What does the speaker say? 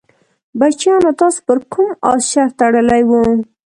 بچیانو تاسې پر کوم اس شرط تړلی وو؟